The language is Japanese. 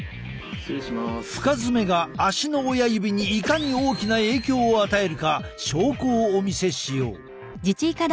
深爪が足の親指にいかに大きな影響を与えるか証拠をお見せしよう。